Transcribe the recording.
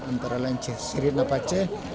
antara lain sirin apa ceh